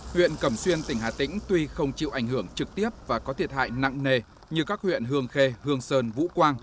huyện cẩm xuyên tỉnh hà tĩnh tuy không chịu ảnh hưởng trực tiếp và có thiệt hại nặng nề như các huyện hương khê hương sơn vũ quang